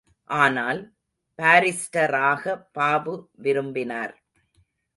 ஆனால், பாரிஸ்டராக பாபு விரும்பினார்.